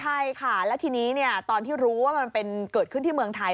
ใช่ค่ะแล้วทีนี้ตอนที่รู้ว่ามันเป็นเกิดขึ้นที่เมืองไทย